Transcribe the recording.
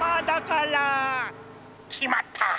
きまった！